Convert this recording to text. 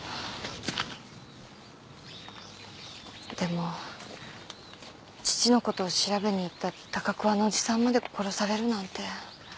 でも父のことを調べに行った高桑のおじさんまで殺されるなんて。